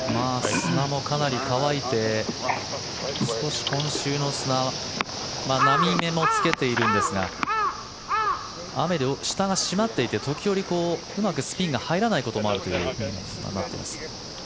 砂もかなり乾いて少し今週の砂波目もつけているんですが雨でしたが締まっていて時折うまくスピンが入らないこともあるという砂になっています。